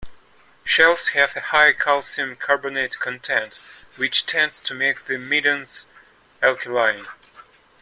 Shells have a high calcium carbonate content, which tends to make the middens alkaline.